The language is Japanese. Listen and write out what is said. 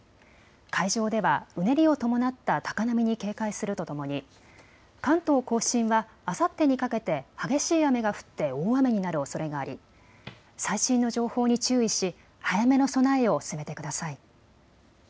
海上では、うねりを伴った高波に警戒するとともに関東甲信はあさってにかけて激しい雨が降って大雨になるおそれがあり最新の情報に注意し早めの備えを進めてください。